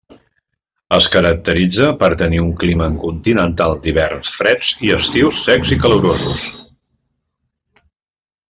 Es caracteritza per tenir un clima continental d'hiverns freds i estius secs i calorosos.